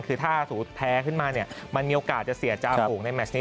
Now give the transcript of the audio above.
คือถ้าสมมุติแพ้ขึ้นมาเนี่ยมันมีโอกาสจะเสียจาฝูงในแมชนี้